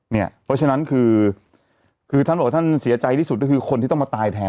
เพราะฉะนั้นคือท่านบอกว่าท่านเสียใจที่สุดก็คือคนที่ต้องมาตายแทน